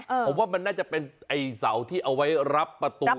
ผมว่ามันน่าจะเป็นไอ้เสาที่เอาไว้รับประตู